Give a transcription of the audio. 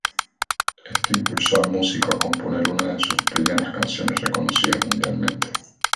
Esto impulsó al músico a componer una de sus primeras canciones reconocidas mundialmente.